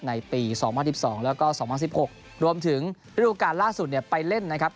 ในปี๒๐๑๒แล้วก็๒๐๑๖รวมถึงฤดูการล่าสุดไปเล่นนะครับ